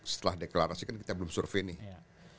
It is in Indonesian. setelah deklarasi kan kita belum survei nih